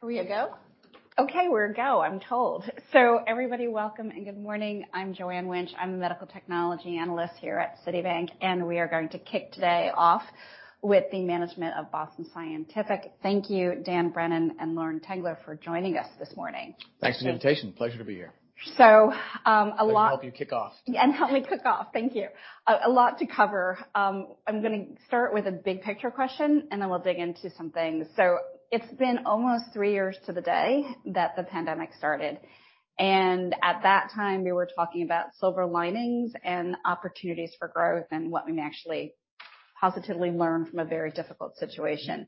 Are we a go? Okay, we're go, I'm told. Everybody, welcome and good morning. I'm Joanne Wuensch. I'm a medical technology analyst here at Citi, and we are going to kick today off with the management of Boston Scientific. Thank you, Dan Brennan and Lauren Tengler, for joining us this morning. Thanks for the invitation. Pleasure to be here. a lot Help you kick off. Help me kick off. Thank you. A lot to cover. I'm gonna start with a big picture question and then we'll dig into some things. It's been almost three years to the day that the pandemic started and at that time, we were talking about silver linings and opportunities for growth and what we may actually positively learn from a very difficult situation.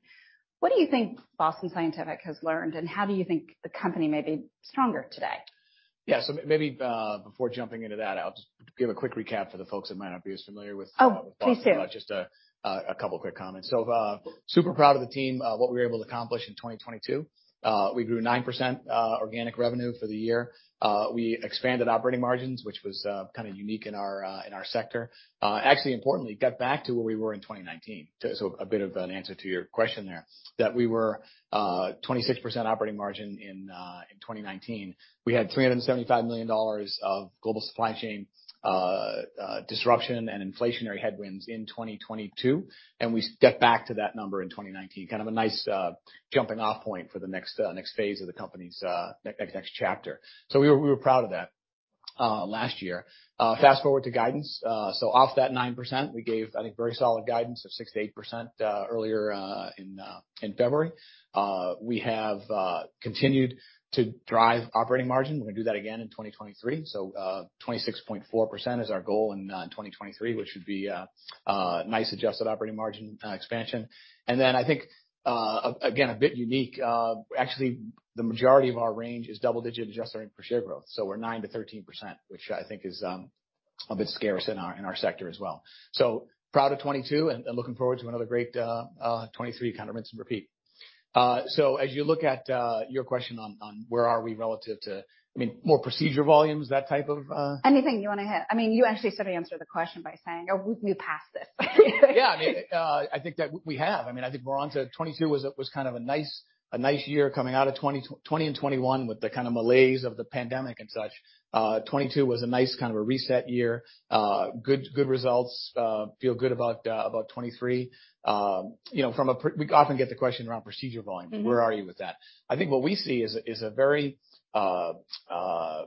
What do you think Boston Scientific has learned and how do you think the company may be stronger today? Yeah. Maybe, before jumping into that, I'll just give a quick recap for the folks that might not be as familiar. Oh, please do. with Boston. Just a couple quick comments. Super proud of the team, what we were able to accomplish in 2022. We grew 9% organic revenue for the year. We expanded operating margins, which was kinda unique in our sector. Actually, importantly, got back to where we were in 2019. A bit of an answer to your question there, that we were 26% operating margin in 2019. We had $375 million of global supply chain disruption and inflationary headwinds in 2022, and we stepped back to that number in 2019. Kind of a nice jumping off point for the next phase of the company's next chapter. We were proud of that last year. Fast forward to guidance. Off that 9%, we gave, I think, very solid guidance of 6%-8% earlier in February. We have continued to drive operating margin. We're gonna do that again in 2023. 26.4% is our goal in 2023, which would be nice adjusted operating margin expansion. Then I think again, a bit unique, actually, the majority of our range is double digit adjusted earnings per share growth. We're 9%-13%, which I think is a bit scarce in our sector as well. Proud of 2022 and looking forward to another great 2023, kind of rinse and repeat. As you look at, your question on where are we relative to, I mean, more procedure volumes, that type of? Anything you wanna hit. I mean, you actually sort of answered the question by saying, oh, we passed it. Yeah. I mean, I think that we have. I mean, I think we're on to 2022 was kind of a nice year coming out of 2020 and 2021 with the kind of malaise of the pandemic and such. 2022 was a nice kind of a reset year. Good results. Feel good about 2023. You know, we often get the question around procedure volume. Mm hmm. Where are you with that? I think what we see is a very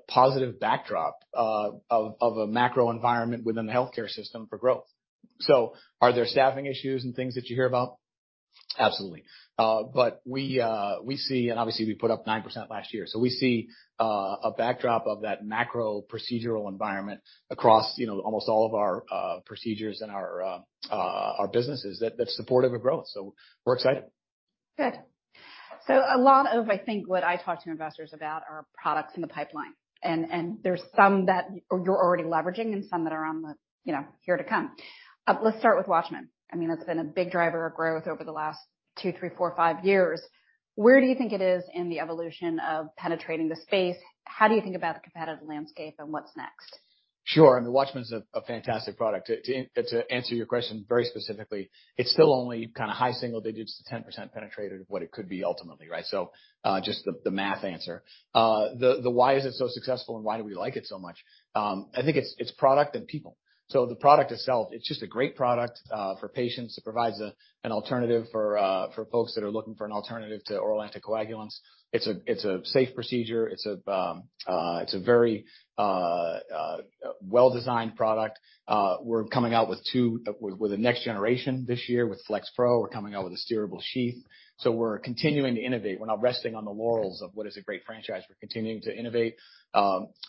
positive backdrop of a macro environment within the healthcare system for growth. Are there staffing issues and things that you hear about? Absolutely. We see, and obviously, we put up 9% last year. We see a backdrop of that macro procedural environment across, you know, almost all of our procedures and our businesses that's supportive of growth. We're excited. Good. A lot of, I think, what I talk to investors about are products in the pipeline, and there's some that you're already leveraging and some that are on the, you know, here to come. Let's start with WATCHMAN. I mean, that's been a big driver of growth over the last two, three, four, five years. Where do you think it is in the evolution of penetrating the space? How do you think about the competitive landscape and what's next? Sure. I mean, WATCHMAN's a fantastic product. To answer your question very specifically, it's still only kinda high single digits to 10% penetrated of what it could be ultimately, right? Just the math answer. The why is it so successful and why do we like it so much? I think it's product and people. The product itself, it's just a great product for patients. It provides an alternative for folks that are looking for an alternative to oral anticoagulants. It's a safe procedure. It's a very well designed product. We're coming out with the next generation this year with FLX Pro. We're coming out with a steerable sheath. We're continuing to innovate. We're not resting on the laurels of what is a great franchise. We're continuing to innovate.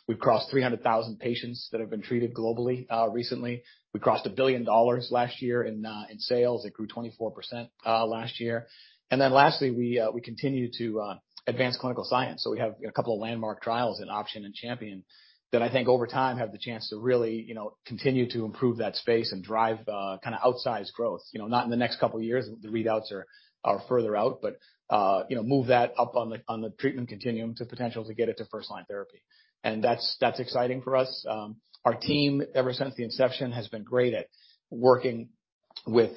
We've crossed 300,000 patients that have been treated globally recently. We crossed $1 billion last year in sales. It grew 24% last year. Lastly, we continue to advance clinical science. We have a couple of landmark trials in OPTION and Champion that I think over time have the chance to really, you know, continue to improve that space and drive kinda outsized growth. You know, not in the next couple of years. The readouts are further out but, you know, move that up on the, on the treatment continuum to potential to get it to firstline therapy. That's, that's exciting for us. Our team, ever since the inception, has been great at working with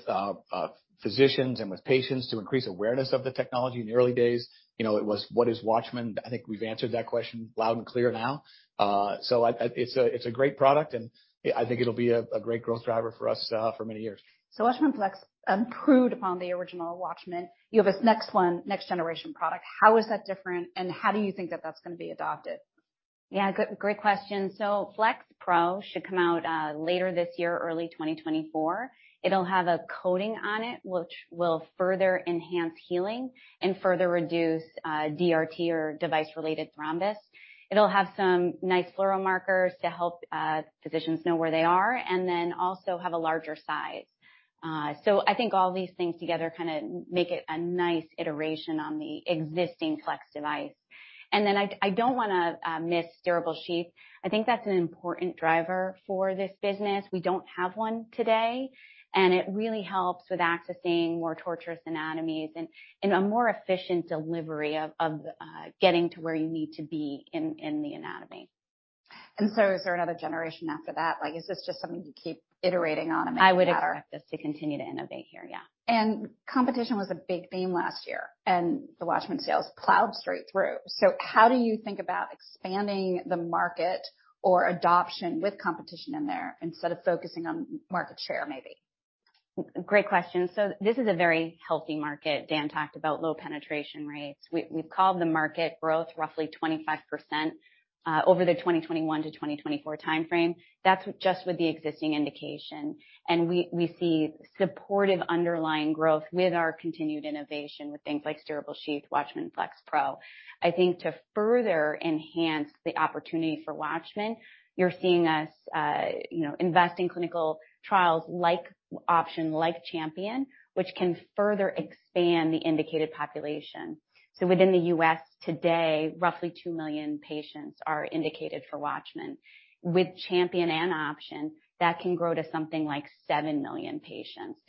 physicians and with patients to increase awareness of the technology in the early days. You know, it was, "What is WATCHMAN?" I think we've answered that question loud and clear now. It's a great product and I think it'll be a great growth driver for us for many years. WATCHMAN FLX improved upon the original WATCHMAN. You have this next one, next generation product. How is that different and how do you think that that's gonna be adopted? Yeah. Good, great question. FLX Pro should come out later this year, early 2024. It'll have a coating on it which will further enhance healing and further reduce DRT or device related thrombus. It'll have some nice fluoro markers to help physicians know where they are and then also have a larger size. I think all these things together kinda make it a nice iteration on the existing FLX device. I don't wanna miss steerable sheath. I think that's an important driver for this business. We don't have one today and it really helps with accessing more torturous anatomies and a more efficient delivery of getting to where you need to be in the anatomy. Is there another generation after that? Like is this just something you keep iterating on and making better? I would expect us to continue to innovate here, yeah. Competition was a big theme last year, and the WATCHMAN sales plowed straight through. How do you think about expanding the market or adoption with competition in there instead of focusing on market share maybe? Great question. This is a very healthy market. Dan talked about low penetration rates. We've called the market growth roughly 25% over the 2021 to 2024 timeframe. That's just with the existing indication. We see supportive underlying growth with our continued innovation with things like steerable sheath WATCHMAN FLX Pro. I think to further enhance the opportunity for WATCHMAN, you're seeing us, you know, invest in clinical trials like OPTION, like CHAMPION-AF, which can further expand the indicated population. Within the U.S. today, roughly two million patients are indicated for WATCHMAN. With CHAMPION-AF and OPTION, that can grow to something like seven million patients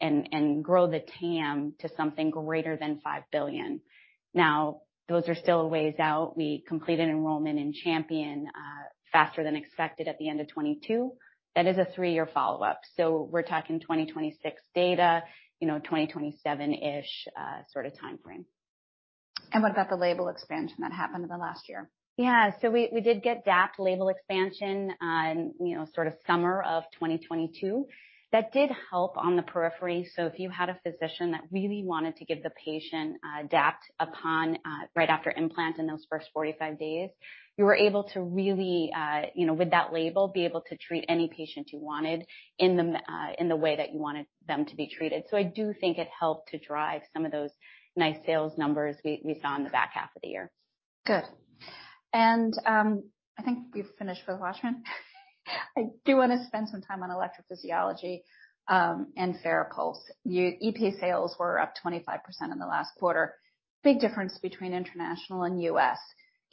and grow the TAM to something greater than $5 billion. Those are still a ways out. We completed enrollment in CHAMPIONAF faster than expected at the end of 2022. That is a three year follow up, so we're talking 2026 data, you know, 2027-ish, sort of timeframe. What about the label expansion that happened in the last year? Yeah. We did get DAPT label expansion on, you know, sort of summer of 2022. That did help on the periphery. If you had a physician that really wanted to give the patient DAPT upon right after implant in those first 45 days, you were able to really, you know, with that label, be able to treat any patient you wanted in the way that you wanted them to be treated. I do think it helped to drive some of those nice sales numbers we saw in the back half of the year. Good. I think we've finished with WATCHMAN. I do wanna spend some time on electrophysiology and FARAPULSE. EP sales were up 25% in the last quarter. Big difference between international and U.S.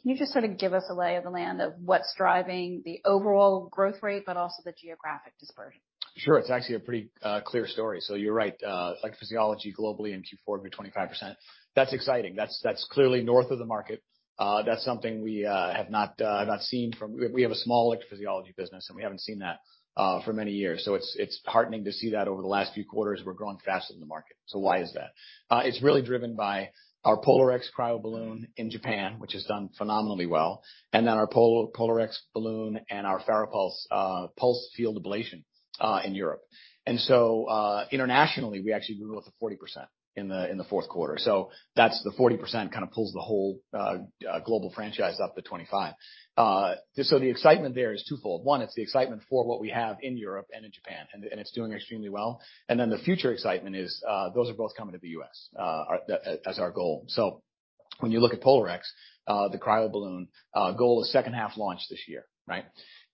Can you just sort of give us a lay of the land of what's driving the overall growth rate but also the geographic dispersion? Sure. It's actually a pretty clear story. You're right, electrophysiology globally in Q4 grew 25%. That's exciting. That's clearly north of the market. That's something we have not seen from. We have a small electrophysiology business, and we haven't seen that for many years. It's heartening to see that over the last few quarters we're growing faster than the market. Why is that? It's really driven by our POLARx cryoballoon in Japan, which has done phenomenally well, and then our POLARx balloon and our FARAPULSE pulsed field ablation in Europe. Internationally, we actually grew it at 40% in the fourth quarter. That's the 40% kinda pulls the whole global franchise up to 25. The excitement there is twofold. One, it's the excitement for what we have in Europe and in Japan and it's doing extremely well. The future excitement is those are both coming to the U.S. as our goal. When you look at POLARx, the cryoballoon, goal is second half launch this year, right?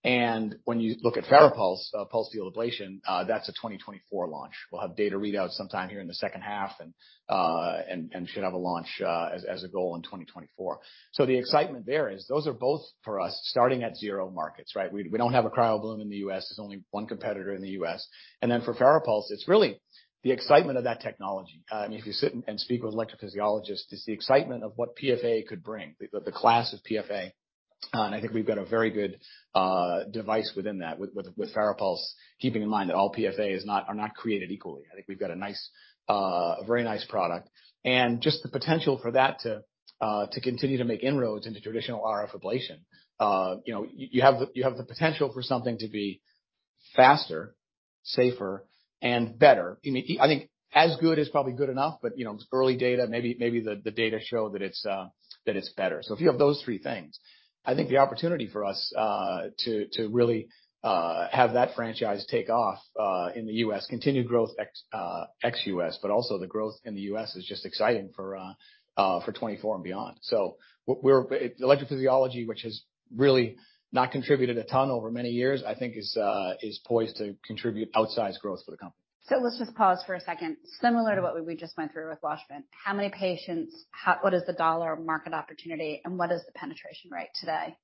When you look at FARAPULSE, pulsed field ablation, that's a 2024 launch. We'll have data readout sometime here in the second half and should have a launch as a goal in 2024. The excitement there is those are both for us starting at zero markets, right? We don't have a cryoballoon in the U.S. There's only one competitor in the U.S. For FARAPULSE, it's really the excitement of that technology. If you sit and speak with electrophysiologists, it's the excitement of what PFA could bring, the class of PFA. I think we've got a very good device within that with FARAPULSE, keeping in mind that all PFAs are not created equally. I think we've got a nice, a very nice product and just the potential for that to continue to make inroads into traditional RF ablation. You know, you have the potential for something to be faster, safer, and better. I think as good is probably good enough, but, you know, it's early data. Maybe the data show that it's better. If you have those three things, I think the opportunity for us, to really, have that franchise take off, in the U.S., continued growth ex U.S., but also the growth in the U.S. is just exciting for 2024 and beyond. Electrophysiology, which has really not contributed a ton over many years, I think is poised to contribute outsized growth for the company. Let's just pause for a second. Similar to what we just went through with WATCHMAN, how many patients? What is the dollar market opportunity, and what is the penetration rate today?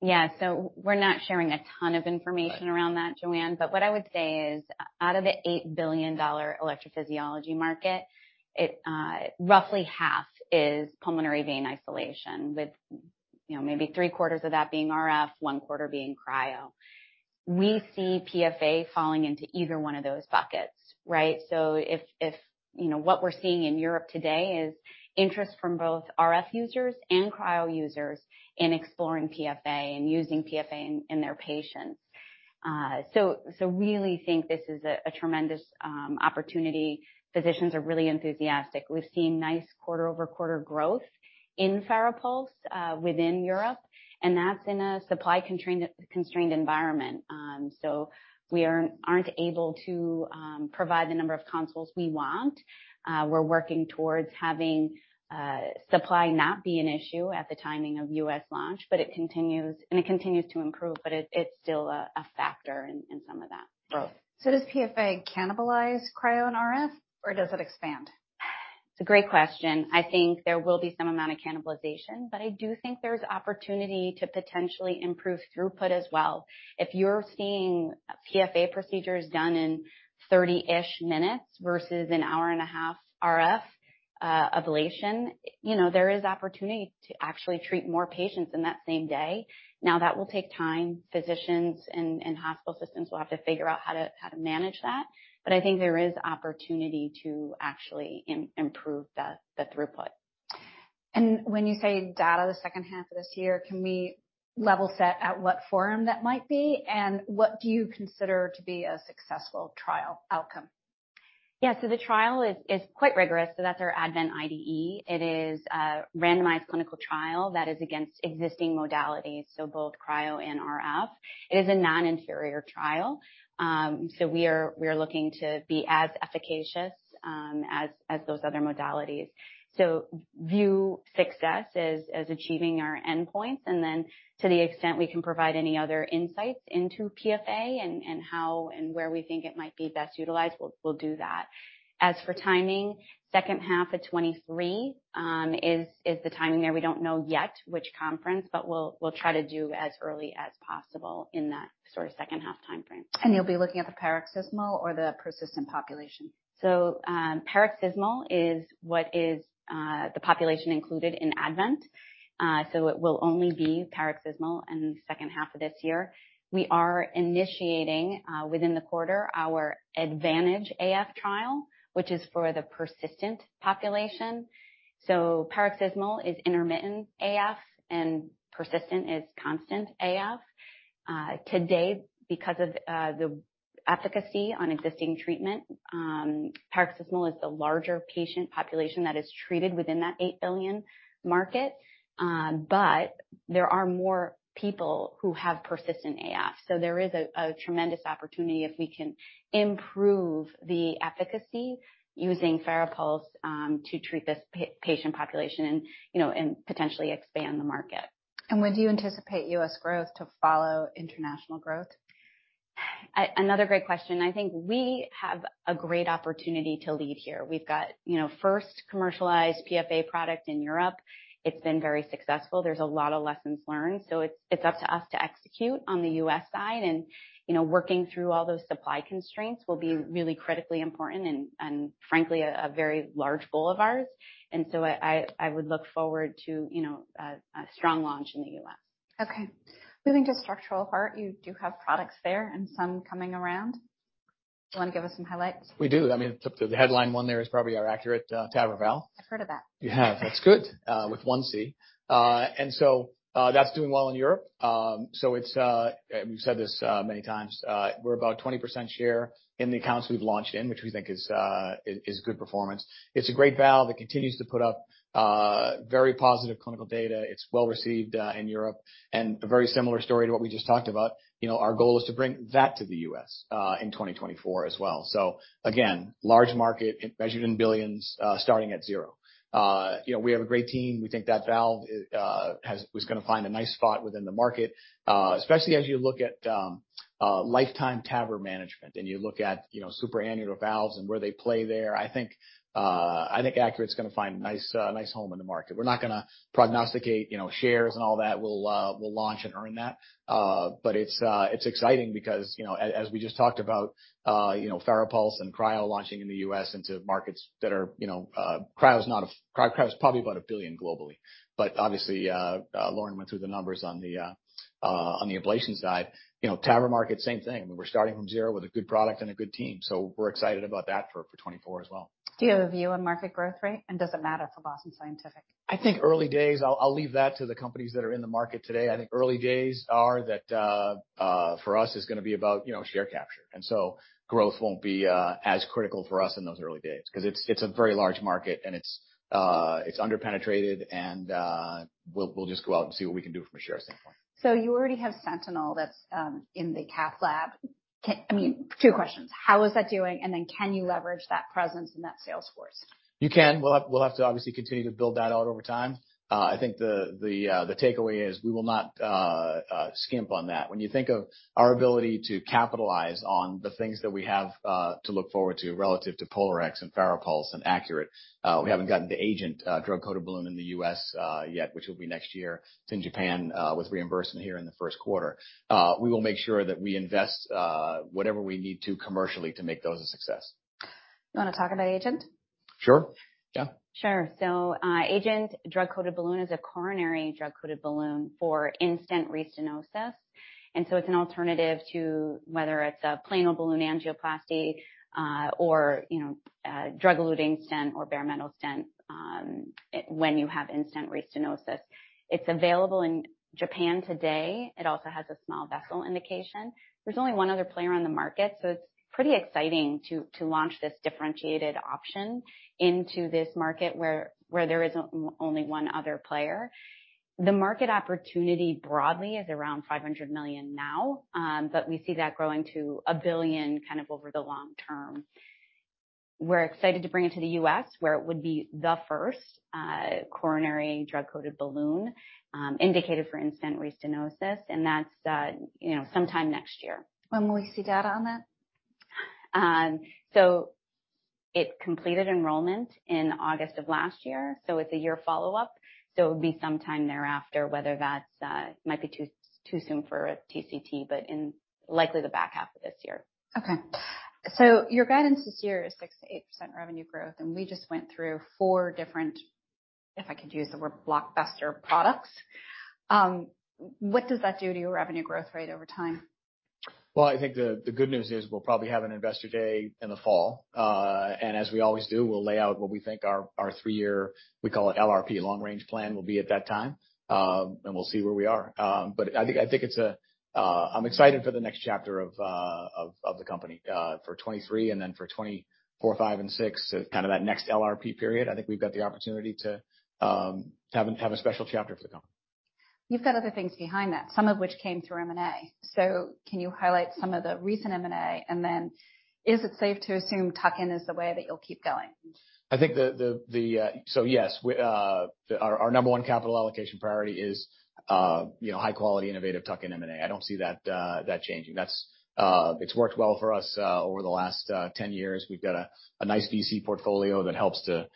We're not sharing a ton of information around that, Joanne. What I would say is out of the $8 billion electrophysiology market, it roughly half is pulmonary vein isolation with, you know, maybe threequarters of that being RF, one quarter being cryo. We see PFA falling into either one of those buckets, right? If, you know, what we're seeing in Europe today is interest from both RF users and cryo users in exploring PFA and using PFA in their patients. Really think this is a tremendous opportunity. Physicians are really enthusiastic. We've seen nice quarter-over-quarter growth in FARAPULSE within Europe, and that's in a supply constrained environment. We aren't able to provide the number of consoles we want. We're working towards having supply not be an issue at the timing of U.S. launch. It continues to improve, but it's still a factor in some of that growth. Does PFA cannibalize cryo and RF, or does it expand? It's a great question. I think there will be some amount of cannibalization, but I do think there's opportunity to potentially improve throughput as well. If you're seeing PFA procedures done in 30-ish minutes versus an hour and a half RF ablation, you know, there is opportunity to actually treat more patients in that same day. That will take time. Physicians and hospital systems will have to figure out how to manage that. I think there is opportunity to actually improve the throughput. When you say data the second half of this year, can we level set at what forum that might be? What do you consider to be a successful trial outcome? The trial is quite rigorous. That's our ADVENT IDE. It is a randomized clinical trial that is against existing modalities, so both cryo and RF. It is a non inferior trial. We are looking to be as efficacious as those other modalities. View success as achieving our endpoints, and then to the extent we can provide any other insights into PFA and how and where we think it might be best utilized, we'll do that. As for timing, second half of 2023 is the timing there. We don't know yet which conference, but we'll try to do as early as possible in that sort of second half timeframe. You'll be looking at the paroxysmal or the persistent population? Paroxysmal is what is the population included in ADVENT. It will only be paroxysmal in the second half of this year. We are initiating within the quarter our ADVANTAGE AF trial, which is for the persistent population. Paroxysmal is intermittent AF, and persistent is constant AF. To date, because of the efficacy on existing treatment, paroxysmal is the larger patient population that is treated within that $8 billion market, but there are more people who have persistent AF. There is a tremendous opportunity if we can improve the efficacy using FARAPULSE to treat this patient population and, you know and potentially expand the market. Would you anticipate U.S. growth to follow international growth? Another great question. I think we have a great opportunity to lead here. We've got, you know, first commercialized PFA product in Europe. It's been very successful. There's a lot of lessons learned. It's, it's up to us to execute on the U.S. side and, you know, working through all those supply constraints will be really critically important and frankly, a very large goal of ours. I would look forward to, you know, a strong launch in the U.S. Okay. Moving to structural heart, you do have products there and some coming around. Do you want to give us some highlights? We do. I mean, the headline one there is probably our ACURATE TAVR valve. I've heard of that. You have. That's good. With one C. That's doing well in Europe. We've said this many times. We're about 20% share in the accounts we've launched in, which we think is good performance. It's a great valve that continues to put up very positive clinical data. It's well received in Europe. A very similar story to what we just talked about. You know, our goal is to bring that to the U.S. in 2024 as well. Again, large market measured in billions, starting at zero. You know, we have a great team. We think that valve is gonna find a nice spot within the market, especially as you look at a lifetime TAVR management, and you look at, you know, supra annular valves and where they play there. I think ACURATE's gonna find a nice home in the market. We're not gonna prognosticate, you know, shares and all that. We'll launch and earn that. It's exciting because, you know, as we just talked about, you know, FARAPULSE and cryo launching in the U.S. into markets that are, you know, Cryo is probably about $1 billion globally. Obviously, Lauren went through the numbers on the ablation side. You know, TAVR market, same thing. We're starting from zero with a good product and a good team, so we're excited about that for 2024 as well. Do you have a view on market growth rate? Does it matter for Boston Scientific? I think early days, I'll leave that to the companies that are in the market today. I think early days are that, for us, it's gonna be about, you know, share capture. Growth won't be as critical for us in those early days 'cause it's a very large market, and it's under-penetrated, and, we'll just go out and see what we can do from a share standpoint. You already have Sentinel that's in the cath lab. I mean, two questions. How is that doing? Can you leverage that presence in that sales force? You can. We'll have to obviously continue to build that out over time. I think the takeaway is we will not skimp on that. When you think of our ability to capitalize on the things that we have to look forward to relative to POLARx and FARAPULSE and ACURATE, we haven't gotten to AGENT, drug-coated balloon in the U.S. yet, which will be next year. It's in Japan with reimbursement here in the first quarter. We will make sure that we invest whatever we need to commercially to make those a success. You wanna talk about AGENT? Sure. Yeah. Sure. AGENT drug-coated balloon is a coronary drug-coated balloon for in-stent restenosis. It's an alternative to whether it's a plain old balloon angioplasty, or, you know, a drug-eluting stent or bare metal stent, when you have in-stent restenosis. It's available in Japan today. It also has a small vessel indication. There's only one other player on the market, so it's pretty exciting to launch this differentiated option into this market where there is only one other player. The market opportunity broadly is around $500 million now, but we see that growing to $1 billion kind of over the long term. We're excited to bring it to the U.S., where it would be the first coronary drug-coated balloon indicated for in-stent restenosis, and that's, you know, sometime next year. When will we see data on that? Um, so It completed enrollment in August of last year, so it's a year follow up. It would be sometime thereafter, whether that's, might be too soon for a TCT, but in likely the back half of this year. Okay. Your guidance this year is 6%-8% revenue growth, and we just went through four different, if I could use the word blockbuster products. What does that do to your revenue growth rate over time? Well, I think the good news is we'll probably have an Investor Day in the fall. As we always do, we'll lay out what we think our three year, we call it LRP, long range plan, will be at that time. We'll see where we are. I think, I think it's a, I'm excited for the next chapter of the company, for 2023 and then for 2024, 2025, and 2026, kind of that next LRP period. I think we've got the opportunity to have a special chapter for the company. You've got other things behind that, some of which came through M&A. Can you highlight some of the recent M&A? Is it safe to assume tuck-in is the way that you'll keep going? I think yes, we our number one capital allocation priority is, you know, high quality, innovative tuck in M&A. I don't see that changing. It's worked well for us over the last 10 years. We've got a nice VC portfolio that helps to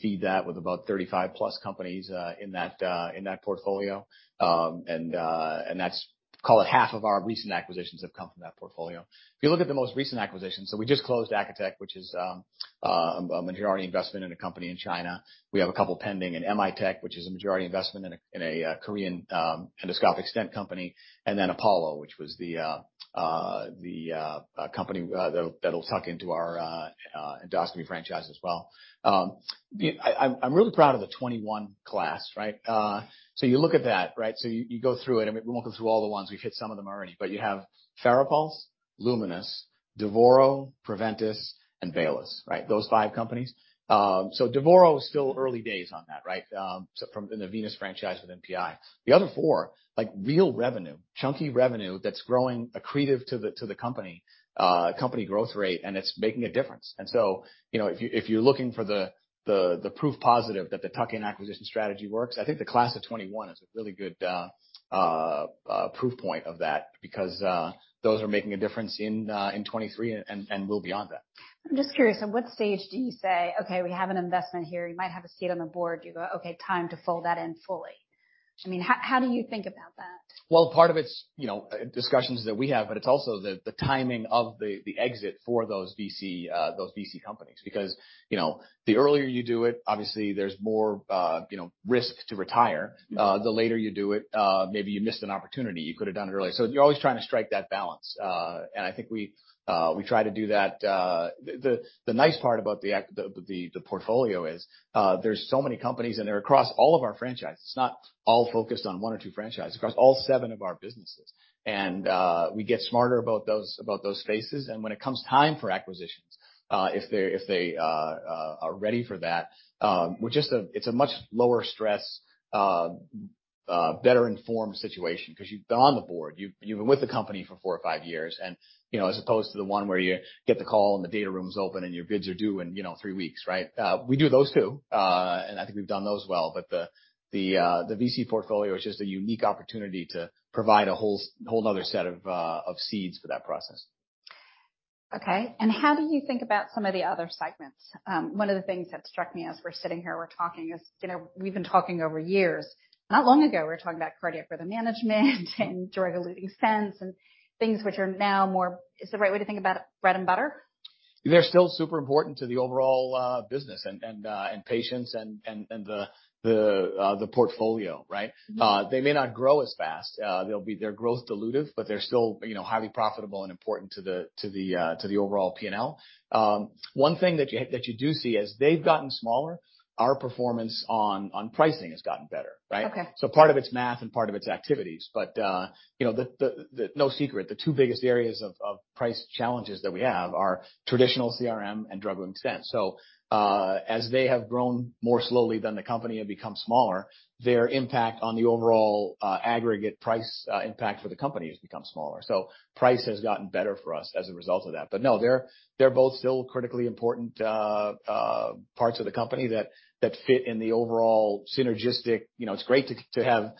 feed that with about 35+ companies in that portfolio. That's, call it half of our recent acquisitions have come from that portfolio. If you look at the most recent acquisitions, we just closed Acotec, which is a majority investment in a company in China. We have a couple pending in M.I.Tech, which is a majority investment in a Korean endoscopic stent company. Then Apollo, which was the company that'll tuck into our endoscopy franchise as well. I'm really proud of the 2021 class, right? You look at that, right? You go through it. I mean, we won't go through all the ones. We've hit some of them already. You have FARAPULSE, Lumenis, Devoro, Preventice, and Baylis, right? Those five companies. Devoro is still early days on that, right? In the Venus franchise with NPI. The other four, like real revenue, chunky revenue that's growing accretive to the company growth rate, and it's making a difference. You know, if you're looking for the proof positive that the tuck-in acquisition strategy works, I think the class of 2021 is a really good proof point of that because those are making a difference in 2023 and will beyond that. I'm just curious, at what stage do you say, "Okay, we have an investment here." You might have a seat on the board. You go, "Okay, time to fold that in fully." I mean, how do you think about that? Well, part of it's, you know, discussions that we have, but it's also the timing of the exit for those VC companies. Because, you know, the earlier you do it, obviously there's more, you know, risk to retire. The later you do it, maybe you missed an opportunity. You could have done it earlier. You're always trying to strike that balance. I think we try to do that. The nice part about the portfolio is there's so many companies, and they're across all of our franchises. It's not all focused on one or two franchises. Across all seven of our businesses. We get smarter about those, about those phases. When it comes time for acquisitions, if they're, if they are ready for that, which is a, it's a much lower stress, better informed situation 'cause you've been on the board. You've been with the company for four or five years. You know, as opposed to the one where you get the call and the data room's open and your bids are due in, you know, three weeks, right? We do those, too, and I think we've done those well. The VC portfolio is just a unique opportunity to provide a whole other set of seeds for that process. Okay. How do you think about some of the other segments? One of the things that struck me as we're sitting here, we're talking is, you know, we've been talking over years. Not long ago, we were talking about cardiac rhythm management and drug-eluting stents and things which are now more. Is the right way to think about it, bread and butter? They're still super important to the overall business and patients and the portfolio, right? Mm hmm. They may not grow as fast. They're growth dilutive, but they're still, you know, highly profitable and important to the, to the, to the overall P&L. One thing that you, that you do see, as they've gotten smaller, our performance on pricing has gotten better, right? Okay. Part of it's math and part of it's activities. You know, no secret, the two biggest areas of price challenges that we have are traditional CRM and drug-eluting stents. As they have grown more slowly than the company and become smaller, their impact on the overall aggregate price impact for the company has become smaller. Price has gotten better for us as a result of that. No, they're both still critically important parts of the company that fit in the overall synergistic You know, it's great to have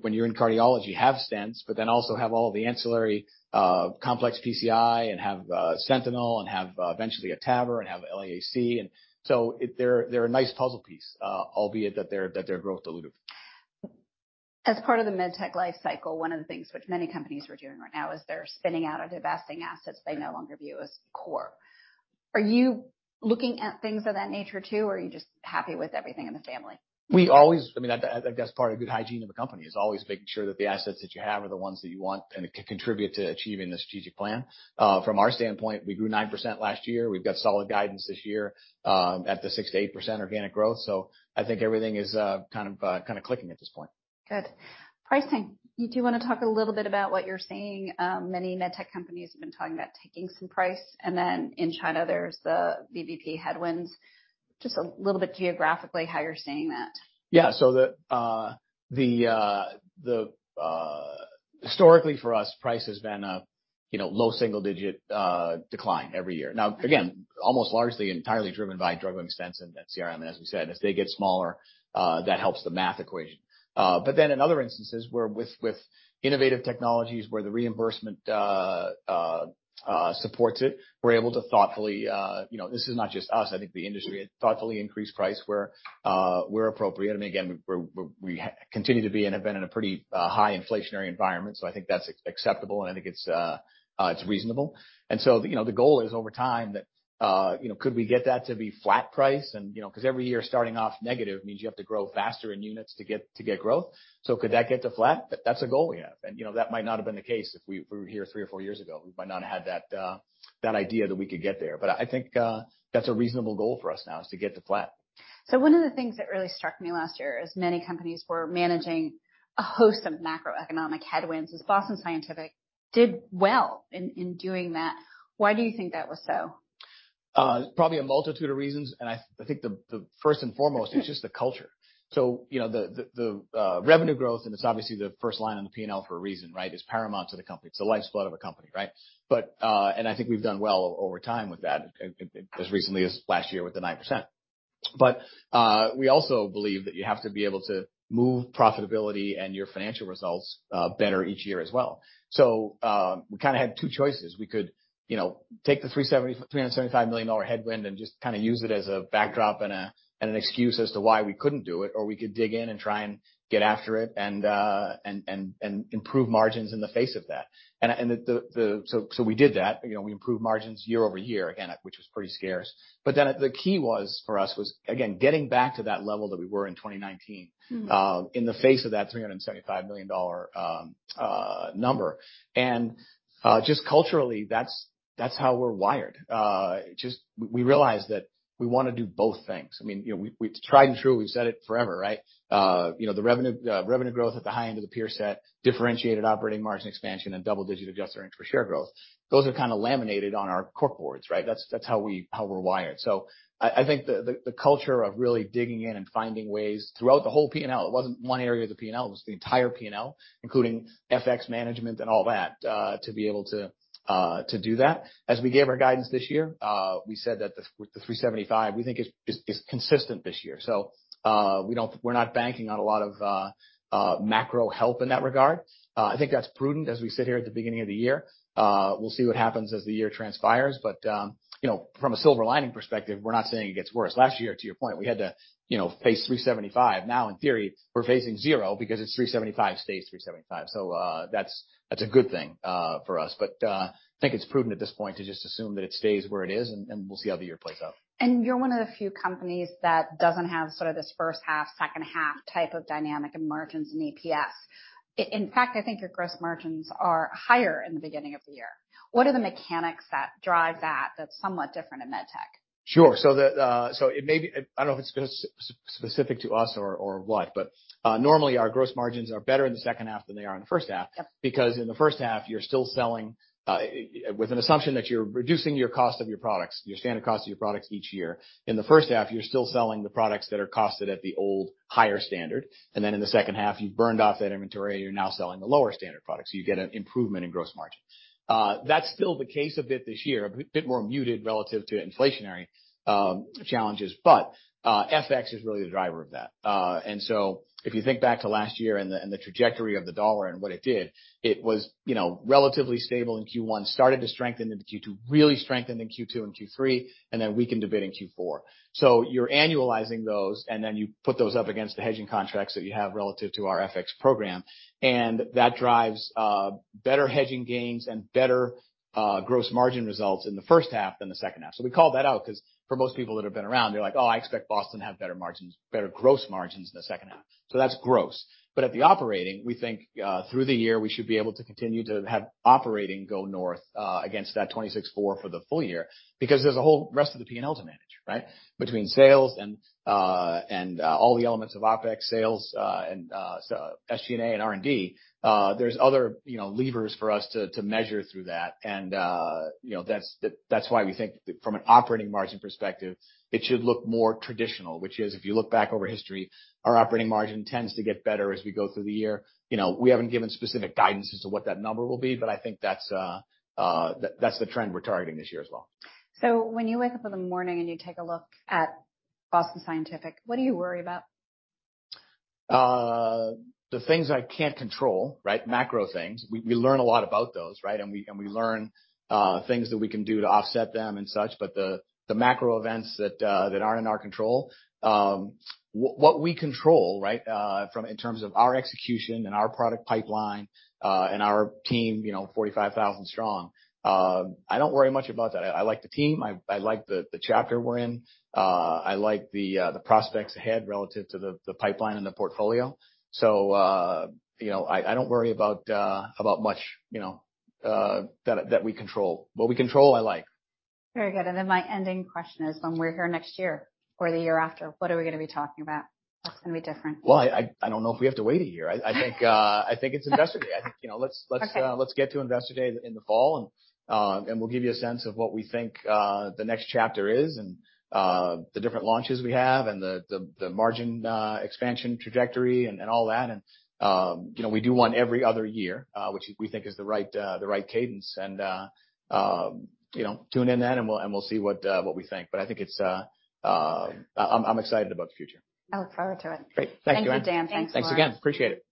when you're in cardiology, have stents, but then also have all the ancillary complex PCI and have SENTINEL and have eventually Atava and have LAAC. They're a nice puzzle piece, albeit that they're growth dilutive. As part of the medtech life cycle, one of the things which many companies are doing right now is they're spinning out or divesting assets they no longer view as core. Are you looking at things of that nature too, or are you just happy with everything in the family? I mean, I think that's part of good hygiene of a company is always making sure that the assets that you have are the ones that you want and contribute to achieving the strategic plan. From our standpoint, we grew 9% last year. We've got solid guidance this year, at the 6%-8% organic growth. I think everything is kind of clicking at this point. Good. Pricing. You do wanna talk a little bit about what you're seeing, many medtech companies have been talking about taking some price. In China, there's the VBP headwinds. Just a little bit geographically how you're seeing that? Yeah. Historically, for us, price has been a, you know, low single digit decline every year. Now, again, almost largely entirely driven by drug-eluting stents and CRM, as we said. As they get smaller, that helps the math equation. In other instances where with innovative technologies where the reimbursement supports it. We're able to thoughtfully, you know, this is not just us, I think the industry, thoughtfully increase price where appropriate. I mean, again, we continue to be and have been in a pretty high inflationary environment, so I think that's acceptable, and I think it's reasonable. The goal is over time that, you know, could we get that to be flat price? You know, 'cause every year starting off negative means you have to grow faster in units to get growth. Could that get to flat? That's a goal we have. You know, that might not have been the case if we were here three or four years ago. We might not have had that idea that we could get there. I think that's a reasonable goal for us now, is to get to flat. One of the things that really struck me last year is many companies were managing a host of macroeconomic headwinds, as Boston Scientific did well in doing that. Why do you think that was so? Probably a multitude of reasons, and I think the revenue growth, and it's obviously the first line on the P&L for a reason, right? It's paramount to the company. It's the life's blood of a company, right? I think we've done well over time with that, as recently as last year with the 9%. We also believe that you have to be able to move profitability and your financial results better each year as well. We kinda had two choices. We could, you know, take the $375 million headwind and just kinda use it as a backdrop and an excuse as to why we couldn't do it, or we could dig in and try and get after it and improve margins in the face of that. We did that. You know, we improved margins year-over-year, again, which was pretty scarce. The key was, for us, was again, getting back to that level that we were in 2019. Mm-hmm. In the face of that $375 million number. Just culturally, that's how we're wired. We realized that we wanna do both things. I mean, you know, we, it's tried and true. We've said it forever, right? You know, the revenue growth at the high end of the peer set, differentiated operating margin expansion and double-digit adjusted earnings per share growth. Those are kinda laminated on our corkboards, right? That's, that's how we're wired. I think the, the culture of really digging in and finding ways throughout the whole P&L, it wasn't one area of the P&L, it was the entire P&L, including FX management and all that, to be able to do that. As we gave our guidance this year, we said that the 375, we think is consistent this year. We're not banking on a lot of macro help in that regard. I think that's prudent as we sit here at the beginning of the year. We'll see what happens as the year transpires, but, you know, from a silver lining perspective, we're not saying it gets worse. Last year, to your point, we had to, you know, face 375. Now, in theory, we're facing zero because it's 375 stays 375. That's a good thing for us. I think it's prudent at this point to just assume that it stays where it is, and we'll see how the year plays out. You're one of the few companies that doesn't have sort of this first half, second half type of dynamic in margins and EPS. In fact, I think your gross margins are higher in the beginning of the year. What are the mechanics that drive that that's somewhat different in med tech? Sure. The, so it may be I don't know if it's specific to us or what, but normally our gross margins are better in the second half than they are in the first half. Yep. In the first half, you're still selling with an assumption that you're reducing your cost of your products, your standard cost of your products each year. In the first half, you're still selling the products that are costed at the old higher standard, and then in the second half, you've burned off that inventory, you're now selling the lower standard product, so you get an improvement in gross margin. That's still the case a bit this year, a bit more muted relative to inflationary challenges, but FX is really the driver of that. If you think back to last year and the trajectory of the dollar and what it did, it was, you know, relatively stable in Q1, started to strengthen into Q2, really strengthened in Q2 and Q3, and then weakened a bit in Q4. You're annualizing those, and then you put those up against the hedging contracts that you have relative to our FX program, and that drives better hedging gains and better gross margin results in the first half than the second half. We called that out 'cause for most people that have been around, they're like, "Oh, I expect Boston to have better margins, better gross margins in the second half." That's gross. At the operating, we think through the year, we should be able to continue to have operating go north against that 26.4% for the full year because there's a whole rest of the P&L to manage, right? Between sales and and all the elements of OpEx sales and SG&A and R&D, there's other, you know, levers for us to measure through that. You know, that's why we think from an operating margin perspective, it should look more traditional, which is, if you look back over history, our operating margin tends to get better as we go through the year. You know, we haven't given specific guidance as to what that number will be, but I think that's the trend we're targeting this year as well. When you wake up in the morning and you take a look at Boston Scientific, what do you worry about? The things I can't control, right? Macro things. We learn a lot about those, right? We learn things that we can do to offset them and such, but the macro events that aren't in our control, what we control, right, from in terms of our execution and our product pipeline, and our team, you know, 45,000 strong, I don't worry much about that. I like the team. I like the chapter we're in. I like the prospects ahead relative to the pipeline and the portfolio. You know, I don't worry about much, you know, that we control. What we control, I like. Very good. My ending question is, when we're here next year or the year after, what are we gonna be talking about? What's gonna be different? Well, I don't know if we have to wait a year. I think, I think it's Investor Day. I think, you know, let's get to Investor Day in the fall and we'll give you a sense of what we think the next chapter is and the different launches we have and the margin expansion trajectory and all that. You know, we do one every other year, which we think is the right cadence and, you know, tune in then and we'll see what we think. I think it's. I'm excited about the future. I look forward to it. Great. Thank you. Thank you, Dan. Thanks so much. Thanks again. Appreciate it.